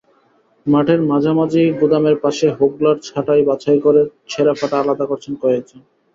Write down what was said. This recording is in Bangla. মাঠের মাঝামাঝি গুদামের পাশে হোগলার চাটাই বাছাই করে ছেঁড়া-ফাটা আলাদা করছেন কয়েকজন।